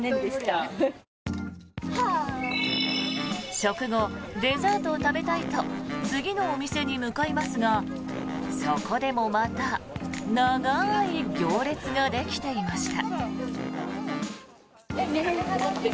食後、デザートを食べたいと次のお店に向かいますがそこでもまた長い行列ができていました。